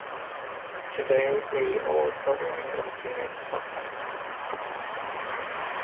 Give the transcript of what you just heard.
Today, nearly all programming originates from Halifax.